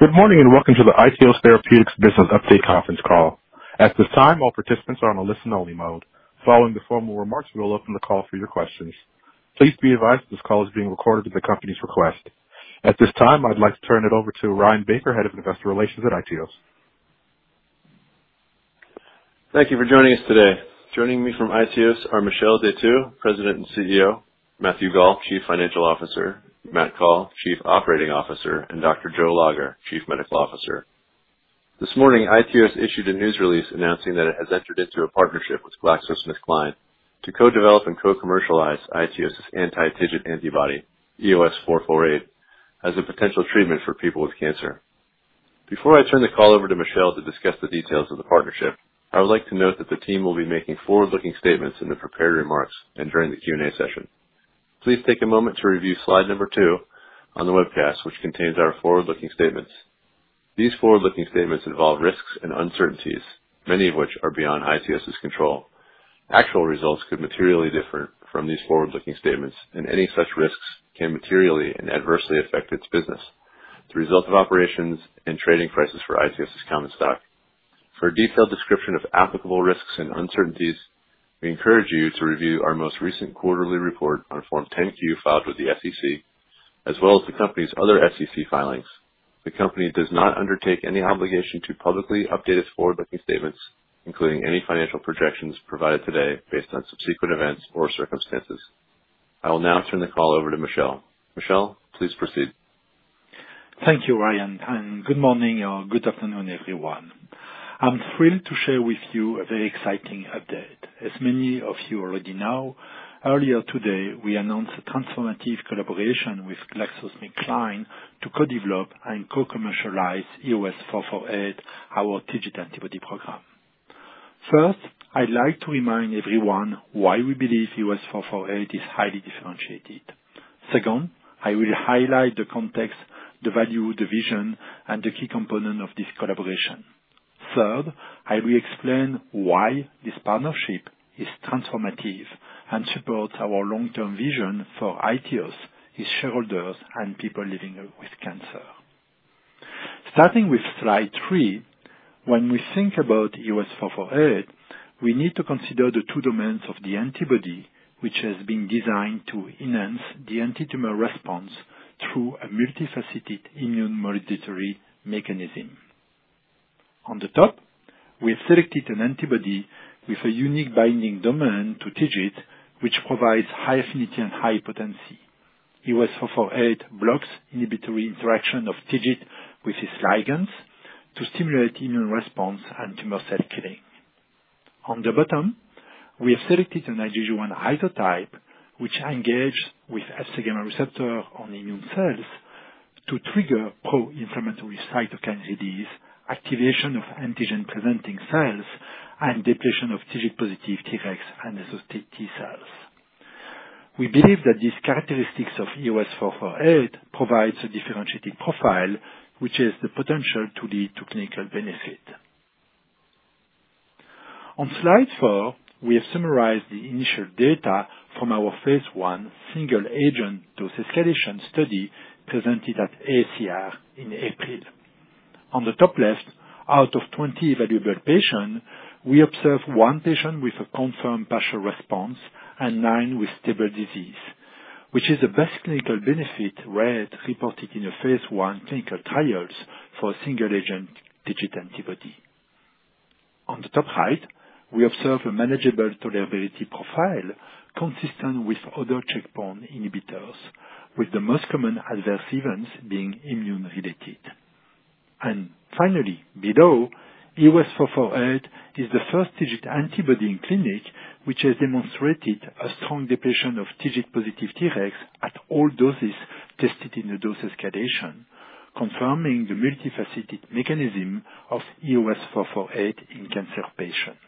Good morning, and welcome to the iTeos Therapeutics Business Update Conference Call. At this time, all participants are on a listen only mode. Following the formal remarks, we will open the call for your questions. Please be advised this call is being recorded at the company's request. At this time, I'd like to turn it over to Ryan Baker, Head of Investor Relations at iTeos. Thank you for joining us today. Joining me from iTeos are Michel Detheux, President and CEO, Matthew Gall, Chief Financial Officer, Matt Call, Chief Operating Officer, and Dr. Joanne Lager, Chief Medical Officer. This morning, iTeos issued a news release announcing that it has entered into a partnership with GlaxoSmithKline to co-develop and co-commercialize iTeos' anti-TIGIT antibody, EOS448, as a potential treatment for people with cancer. Before I turn the call over to Michel to discuss the details of the partnership, I would like to note that the team will be making forward-looking statements in the prepared remarks and during the Q&A session. Please take a moment to review slide number two on the webcast, which contains our forward-looking statements. These forward-looking statements involve risks and uncertainties, many of which are beyond iTeos's control. Actual results could materially differ from these forward-looking statements, and any such risks can materially and adversely affect its business, the results of operations and trading prices for iTeos' common stock. For a detailed description of applicable risks and uncertainties, we encourage you to review our most recent quarterly report on Form 10-Q filed with the SEC, as well as the company's other SEC filings. The company does not undertake any obligation to publicly update its forward-looking statements, including any financial projections provided today based on subsequent events or circumstances. I will now turn the call over to Michel. Michel, please proceed. Thank you, Ryan. Good morning or good afternoon, everyone. I'm thrilled to share with you a very exciting update. As many of you already know, earlier today, we announced a transformative collaboration with GlaxoSmithKline to co-develop and co-commercialize EOS448, our TIGIT antibody program. First, I'd like to remind everyone why we believe EOS448 is highly differentiated. Second, I will highlight the context, the value, the vision, and the key component of this collaboration. Third, I will explain why this partnership is transformative and supports our long-term vision for iTeos, its shareholders, and people living with cancer. Starting with slide three, when we think about EOS448, we need to consider the two domains of the antibody, which has been designed to enhance the antitumor response through a multifaceted immunomodulatory mechanism. On the top, we have selected an antibody with a unique binding domain to TIGIT, which provides high affinity and high potency. EOS448 blocks inhibitory interaction of TIGIT with its ligands to stimulate immune response and tumor cell killing. On the bottom, we have selected an IgG1 isotype, which are engaged with Fc gamma receptor on immune cells to trigger pro-inflammatory cytokine release, activation of antigen-presenting cells, and depletion of TIGIT positive Tregs and exhausted T cells. We believe that these characteristics of EOS448 provides a differentiated profile, which has the potential to lead to clinical benefit. On slide four, we have summarized the initial data from our phase I single agent dose escalation study presented at AACR in April. On the top left, out of 20 evaluable patients, we observed one patient with a confirmed partial response and nine with stable disease, which is the best clinical benefit rate reported in the phase I clinical trials for a single agent TIGIT antibody. On the top right, we observed a manageable tolerability profile consistent with other checkpoint inhibitors, with the most common adverse events being immune-related. Finally, below, EOS448 is the first TIGIT antibody in clinic, which has demonstrated a strong depletion of TIGIT+ Tregs at all doses tested in the dose escalation, confirming the multifaceted mechanism of EOS448 in cancer patients.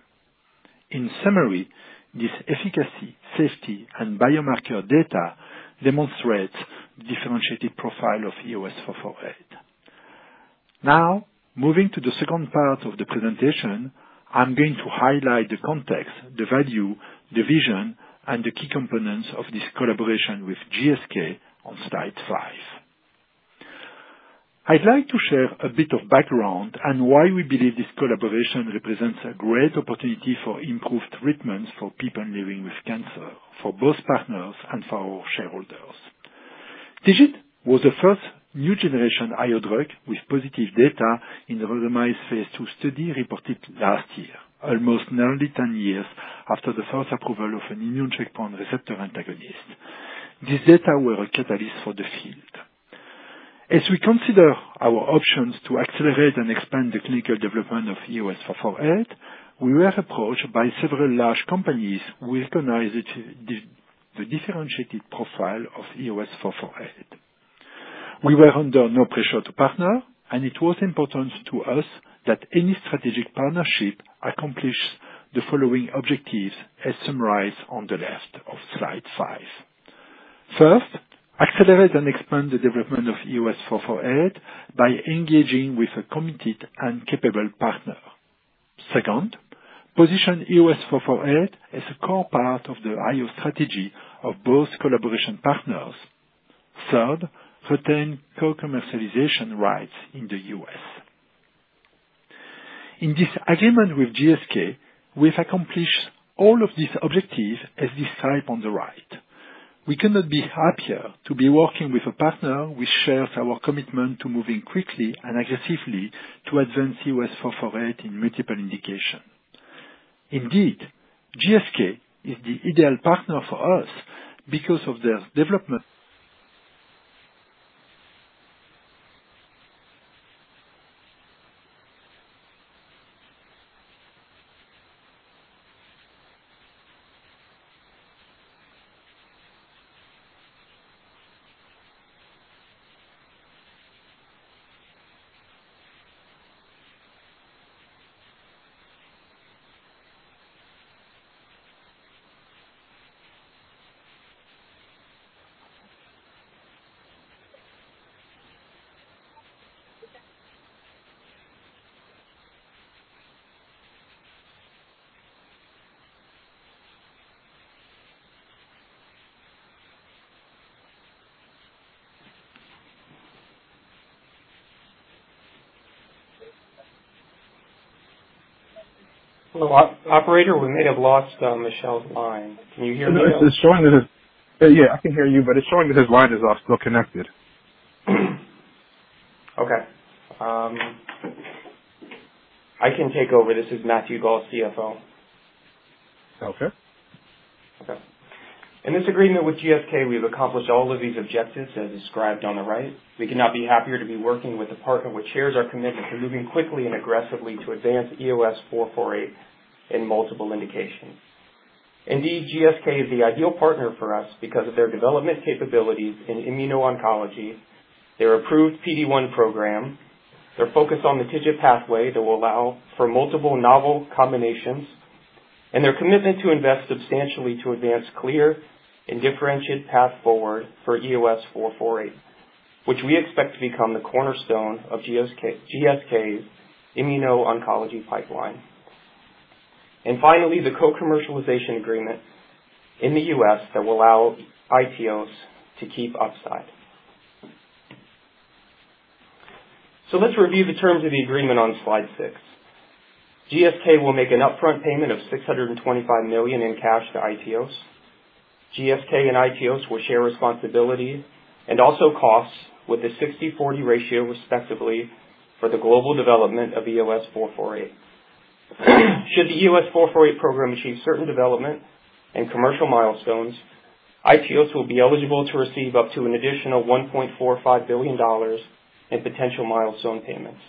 In summary, this efficacy, safety, and biomarker data demonstrates differentiated profile of EOS448. Now, moving to the second part of the presentation, I'm going to highlight the context, the value, the vision, and the key components of this collaboration with GSK on slide five. I'd like to share a bit of background and why we believe this collaboration represents a great opportunity for improved treatments for people living with cancer, for both partners and for our shareholders. TIGIT was the first new generation IO drug with positive data in a randomized phase II study reported last year, almost nearly 10 years after the first approval of an immune checkpoint receptor antagonist. These data were a catalyst for the field. As we consider our options to accelerate and expand the clinical development of EOS448, we were approached by several large companies who recognized the differentiated profile of EOS448. We were under no pressure to partner, and it was important to us that any strategic partnership accomplish the following objectives, as summarized on the left of slide five. First, accelerate and expand the development of EOS448 by engaging with a committed and capable partner. Second, position EOS448 as a core part of the IO strategy of both collaboration partners. Third, retain co-commercialization rights in the U.S. In this agreement with GSK, we've accomplished all of these objectives as described on the right. We cannot be happier to be working with a partner which shares our commitment to moving quickly and aggressively to advance EOS448 in multiple indications. Indeed, GSK is the ideal partner for us because of their development. Operator, we may have lost Michel's line. Can you hear me now? Yeah, I can hear you, but it's showing that his line is still connected. Okay. I can take over. This is Matthew Gall, CFO. Okay. Okay. In this agreement with GSK, we've accomplished all of these objectives as described on the right. We cannot be happier to be working with a partner which shares our commitment to moving quickly and aggressively to advance EOS448 in multiple indications. Indeed, GSK is the ideal partner for us because of their development capabilities in immuno-oncology, their approved PD-1 program, their focus on the TIGIT pathway that will allow for multiple novel combinations, and their commitment to invest substantially to advance clear and differentiate path forward for EOS448, which we expect to become the cornerstone of GSK's immuno-oncology pipeline. Finally, the co-commercialization agreement in the U.S. that will allow iTeos to keep upside. Let's review the terms of the agreement on slide 6. GSK will make an upfront payment of $625 million in cash to iTeos. GSK and iTeos will share responsibility and also costs with a 60-40 ratio, respectively, for the global development of EOS448. Should the EOS448 program achieve certain development and commercial milestones, iTeos will be eligible to receive up to an additional $1.45 billion in potential milestone payments.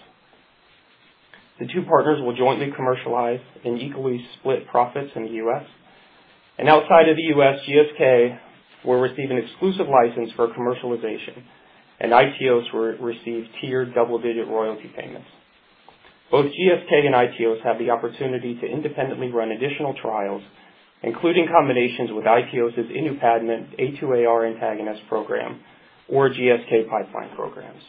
The two partners will jointly commercialize and equally split profits in the U.S. Outside of the U.S., GSK will receive an exclusive license for commercialization, and iTeos will receive tiered double-digit royalty payments. Both GSK and iTeos have the opportunity to independently run additional trials, including combinations with iTeos' inupadenant A2AR antagonist program or GSK pipeline programs.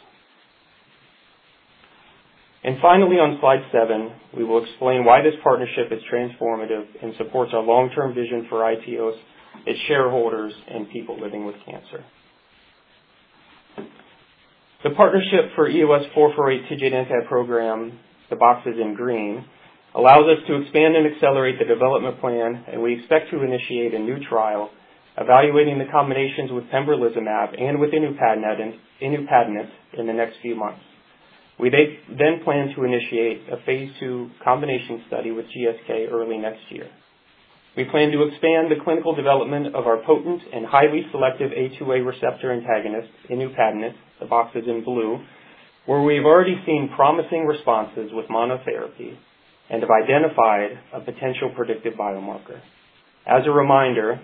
Finally, on slide 7, we will explain why this partnership is transformative and supports our long-term vision for iTeos, its shareholders, and people living with cancer. The partnership for EOS448 TIGIT anti-program, the box is in green, allows us to expand and accelerate the development plan, and we expect to initiate a new trial evaluating the combinations with pembrolizumab and with inupadenant in the next few months. We plan to initiate a phase II combination study with GSK early next year. We plan to expand the clinical development of our potent and highly selective A2A receptor antagonist, inupadenant, the box is in blue, where we've already seen promising responses with monotherapy and have identified a potential predictive biomarker. As a reminder,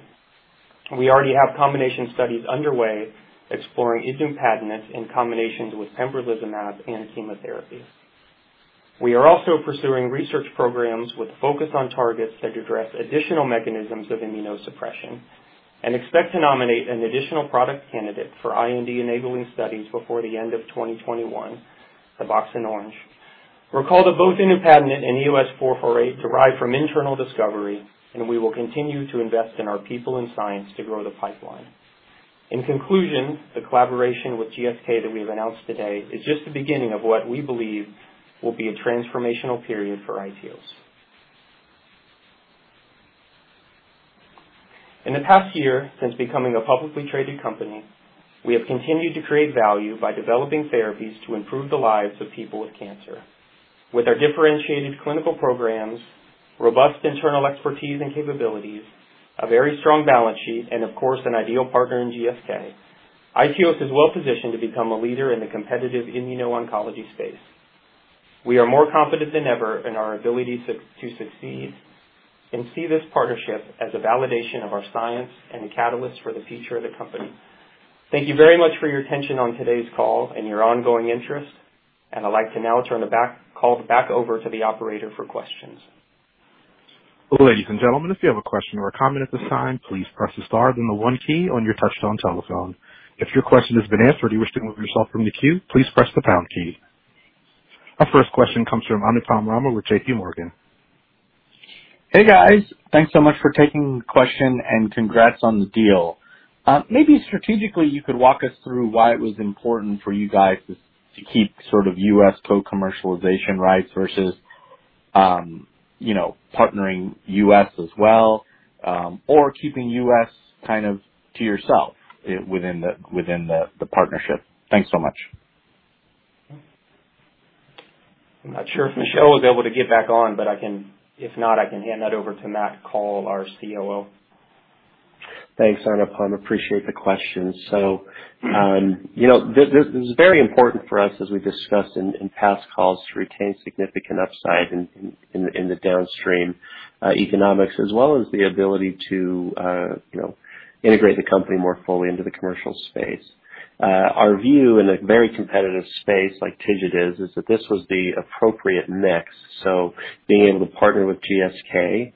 we already have combination studies underway exploring inupadenant in combination with pembrolizumab and chemotherapy. We are also pursuing research programs with focus on targets that address additional mechanisms of immunosuppression and expect to nominate an additional product candidate for IND-enabling studies before the end of 2021, the box in orange. Recall that both inupadenant and EOS448 derive from internal discovery, and we will continue to invest in our people and science to grow the pipeline. In conclusion, the collaboration with GSK that we've announced today is just the beginning of what we believe will be a transformational period for iTeos. In the past year, since becoming a publicly traded company, we have continued to create value by developing therapies to improve the lives of people with cancer. With our differentiated clinical programs, robust internal expertise and capabilities, a very strong balance sheet, and of course, an ideal partner in GSK, iTeos is well-positioned to become a leader in the competitive immuno-oncology space. We are more confident than ever in our ability to succeed and see this partnership as a validation of our science and a catalyst for the future of the company. Thank you very much for your attention on today's call and your ongoing interest, and I'd like to now turn the call back over to the operator for questions. Our first question comes from Anupam Rama with JPMorgan. Hey, guys. Thanks so much for taking the question, and congrats on the deal. Maybe strategically, you could walk us through why it was important for you guys to keep U.S. co-commercialization rights versus partnering U.S. as well, or keeping U.S. to yourself within the partnership. Thanks so much. I'm not sure if Michel was able to get back on, but if not, I can hand that over to Matthew Gall, our COO. Thanks, Anupam. Appreciate the question. It was very important for us, as we discussed in past calls, to retain significant upside in the downstream economics as well as the ability to integrate the company more fully into the commercial space. Our view in a very competitive space, like TIGIT is that this was the appropriate mix. Being able to partner with GSK,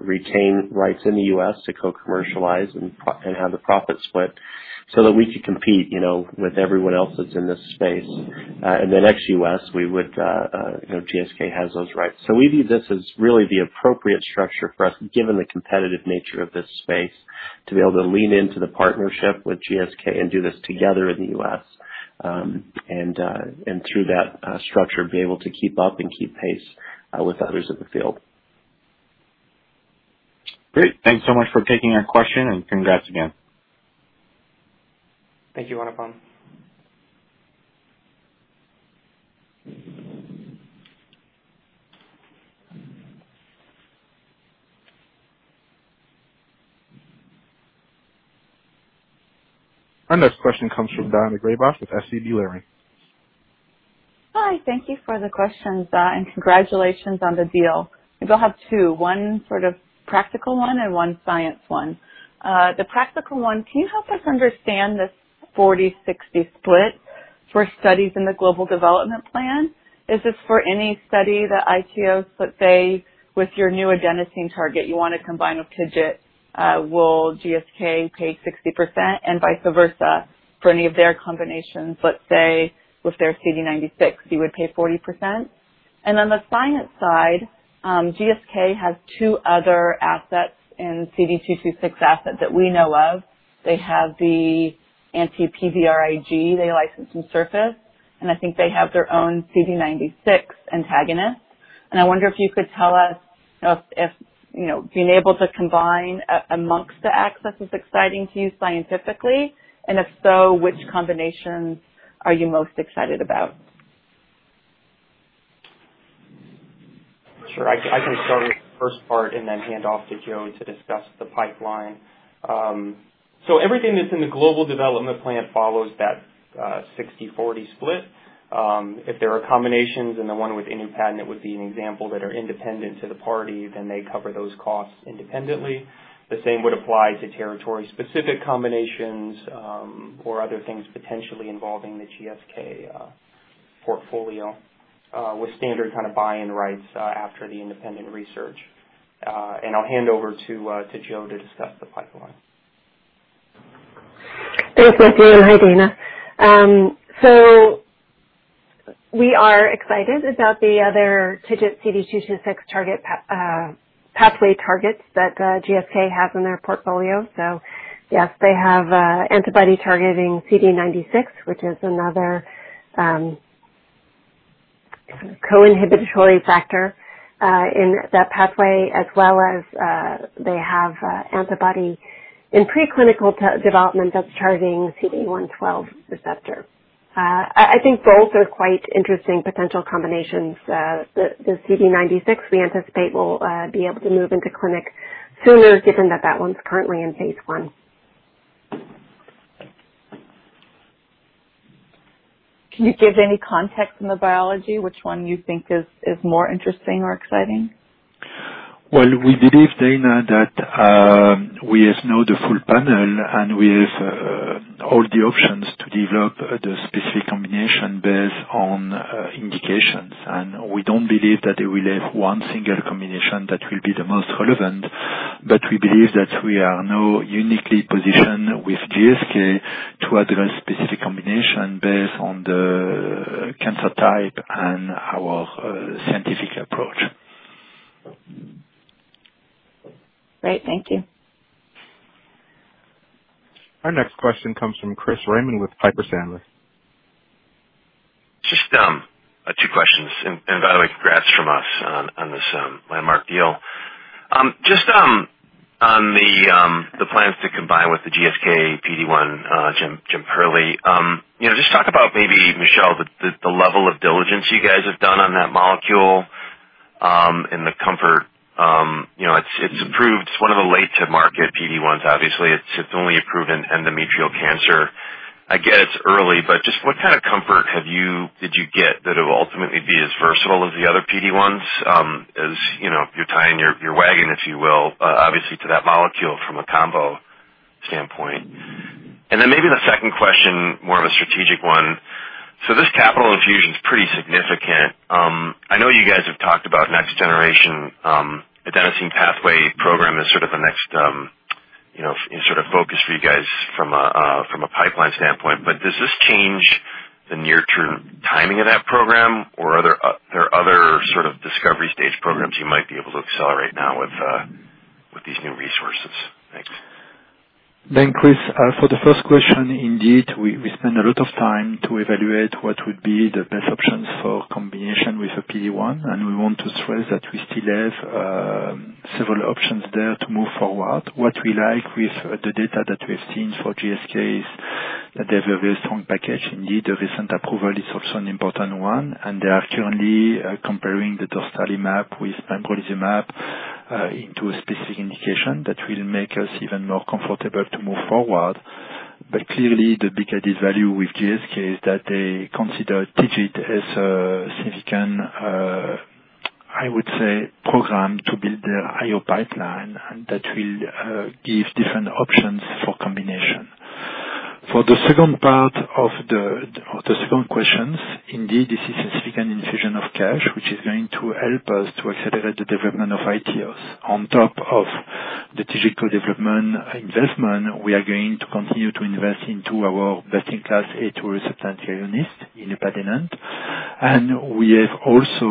retain rights in the U.S. to co-commercialize and have the profit split so that we could compete with everyone else that's in this space. Then ex-U.S., GSK has those rights. We view this as really the appropriate structure for us, given the competitive nature of this space, to be able to lean into the partnership with GSK and do this together in the U.S. Through that structure, be able to keep up and keep pace with others in the field. Great. Thanks so much for taking our question, congrats again. Thank you, Anupam. Our next question comes from Daina Graybosch with SVB Leerink. Hi. Thank you for the questions, and congratulations on the deal. I think I'll have two, one sort of practical one and one science one. The practical one, can you help us understand this 40/60 split for studies in the global development plan? Is this for any study that iTeos, let's say, with your new adenosine target you want to combine with TIGIT, will GSK pay 60% and vice versa for any of their combinations, let's say, with their CD96, you would pay 40%? Then the science side, GSK has two other assets in CD226 asset that we know of. They have the anti-PVRIG they licensed from Surface, and I think they have their own CD96 antagonist. I wonder if you could tell us if being able to combine amongst the assets is exciting to you scientifically, and if so, which combinations are you most excited about? Sure. I can start with the first part and then hand off to Jo to discuss the pipeline. Everything that's in the global development plan follows that 60/40 split. If there are combinations, and the one with inupadenant would be an example that are independent to the parties, then they cover those costs independently. The same would apply to territory-specific combinations, or other things potentially involving the GSK portfolio, with standard kind of buy-in rights after the independent research. I'll hand over to Jo to discuss the pipeline. Thanks, Matthew, and hi, Daina. We are excited about the other TIGIT CD226 pathway targets that GSK has in their portfolio. Yes, they have antibody targeting CD96, which is another co-inhibitory factor in that pathway, as well as they have antibody in preclinical development that's targeting CD112 receptor. I think both are quite interesting potential combinations. The CD96 we anticipate will be able to move into clinic sooner given that that one's currently in phase I. Can you give any context in the biology which one you think is more interesting or exciting? Well, we believe, Daina, that we have now the full panel and we have all the options to develop the specific combination based on indications. We don't believe that we will have one single combination that will be the most relevant, but we believe that we are now uniquely positioned with GSK to address specific combination based on the cancer type and our scientific approach. Great. Thank you. Our next question comes from Chris Raymond with Piper Sandler. Just two questions. By the way, congrats from us on this landmark deal. Just on the plans to combine with the GSK PD-1, Jemperli, just talk about maybe, Michel, the level of diligence you guys have done on that molecule, and the comfort. It's approved. It's one of the late-to-market PD-1s. Obviously, it's only approved in endometrial cancer. I get it's early, but just what kind of comfort did you get that it'll ultimately be as versatile as the other PD-1s? As you're tying your wagon, if you will, obviously to that molecule from a combo standpoint. Then maybe the second question, more of a strategic one? This capital infusion is pretty significant. I know you guys have talked about next generation adenosine pathway program as sort of a next focus for you guys from a pipeline standpoint. Does this change the near-term timing of that program? Are there other sort of discovery stage programs you might be able to accelerate now with these new resources? Thanks. Thanks, Chris. For the first question, indeed, we spend a lot of time to evaluate what would be the best option for combination with the PD-1, and we want to stress that we still have several options there to move forward. What we like with the data that we have seen for GSK is that they have a very strong package indeed. A recent approval is also an important one, and they are currently comparing the dostarlimab with pembrolizumab into a specific indication that will make us even more comfortable to move forward. Clearly the bigger this value with GSK is that they consider TIGIT as a significant, I would say, program to build their IO pipeline. That will give different options for combination. For the second part of the second question, indeed, this is a significant infusion of cash, which is going to help us to accelerate the development of iTeos. On top of the TIGIT co-development investment, we are going to continue to invest into our best-in-class A2A receptor antagonist, inupadenant. We have also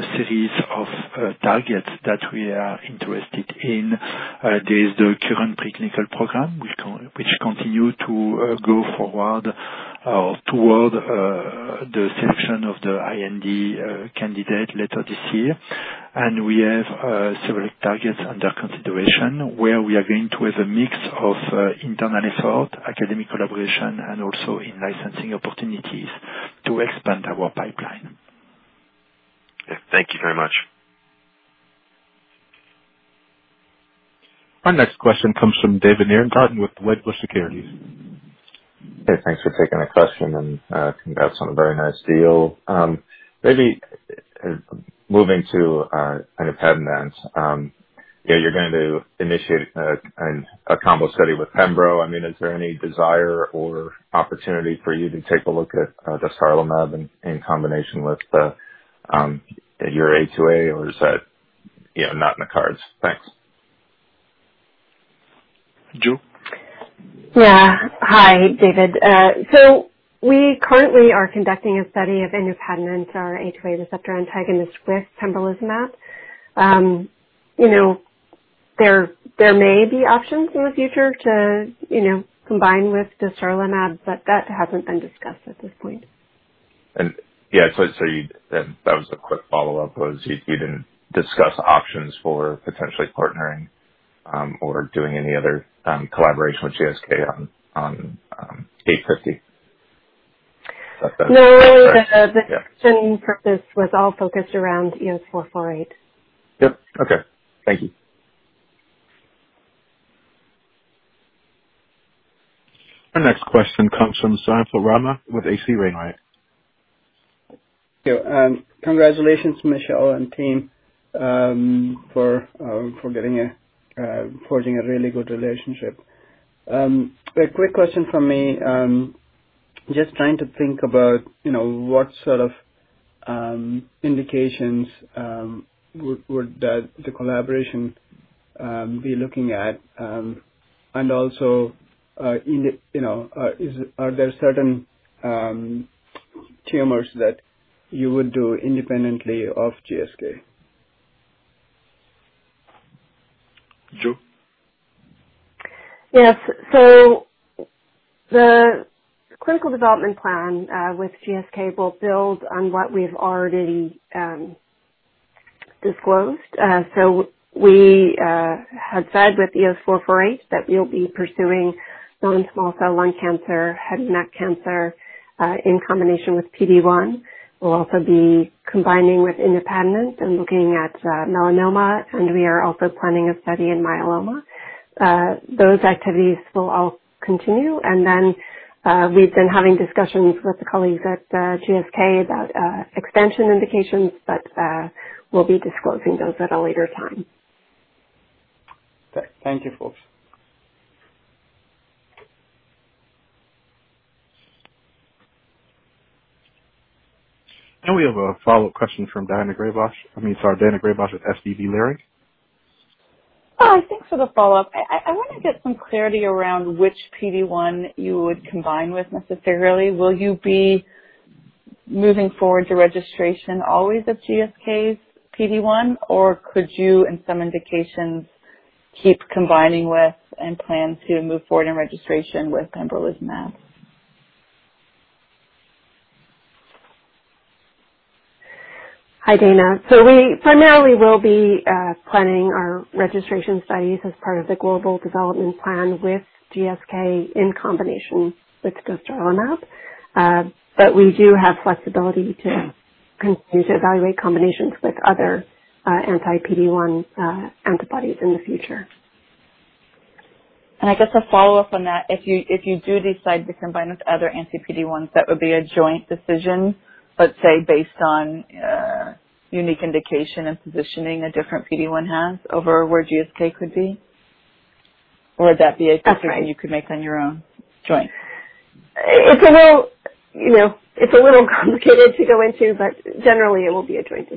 a series of targets that we are interested in. There's the current preclinical program which continue to go forward toward the selection of the IND candidate later this year. We have several targets under consideration where we are going to have a mix of internal effort, academic collaboration, and also in licensing opportunities to expand our pipeline. Yeah. Thank you very much. Our next question comes from David Nierengarten with Wedbush Securities. Hey, thanks for taking the question, and congrats on a very nice deal. Maybe moving to inupadenant, you're going to initiate a combo study with pembro. Is there any desire or opportunity for you to take a look at dostarlimab in combination with your A2A, or is that not in the cards? Thanks. Jo? Yeah. Hi, David. We currently are conducting a study of inupadenant, our A2A receptor antagonist, with pembrolizumab. There may be options in the future to combine with dostarlimab, but that hasn't been discussed at this point. Yeah. That was the quick follow-up was, you didn't discuss options for potentially partnering or doing any other collaboration with GSK on A2A? No, the discussion purpose was all focused around EOS-448. Yep. Okay. Thank you. Our next question comes from [Zain Falrama with Acacia Research]. Yeah. Congratulations, Michel and team, for forging a really good relationship. A quick question from me, just trying to think about what sort of indications would the collaboration be looking at? Also, are there certain tumors that you would do independently of GSK? Jo? Yes. The clinical development plan with GSK will build on what we've already disclosed. We had said with EOS-448 that we'll be pursuing non-small cell lung cancer, head and neck cancer in combination with PD-1. We'll also be combining with inupadenant and looking at melanoma, and we are also planning a study in myeloma. Those activities will all continue. We've been having discussions with the colleagues at GSK about extension indications, but we'll be disclosing those at a later time. Thank you, folks. We have a follow-up question from Daina Graybosch. I mean, sorry, Daina Graybosch with SVB Leerink. Hi, thanks for the follow-up. I want to get some clarity around which PD-1 you would combine with necessarily. Will you be moving forward to registration always of GSK's PD-1? Could you, in some indications, keep combining with and plan to move forward in registration with pembrolizumab? Hi, Daina. For now, we will be planning our registration studies as part of the global development plan with GSK in combination with dostarlimab. We do have flexibility to continue to evaluate combinations with other anti-PD-1 antibodies in the future. I guess a follow-up on that, if you do decide to combine with other anti-PD-1s, that would be a joint decision, let's say, based on unique indication and positioning a different PD-1 has over where GSK could be, or would that be a decision you could make on your own, joint? It's a little complicated to go into, but generally it will be a joint decision.